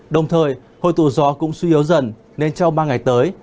đồng thời hồi tù gió cũng suy yếu dần nên trong ba ngày tới